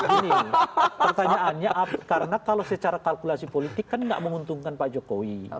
begini pertanyaannya karena kalau secara kalkulasi politik kan gak menguntungkan pak jokowi